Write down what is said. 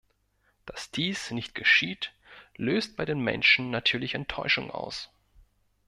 Dass dies nicht geschieht, löst bei den Menschen natürlich Enttäuschung aus.